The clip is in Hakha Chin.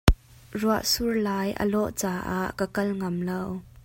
Ruahsur lai a lawh caah ka kal ngam lo.